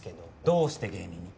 どうして芸人に？